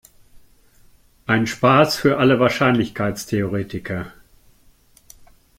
Ein Spaß für alle Wahrscheinlichkeitstheoretiker.